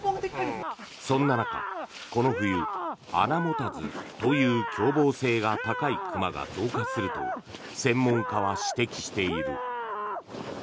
そんな中、この冬穴持たずという凶暴性が高い熊が増加すると専門家は指摘している。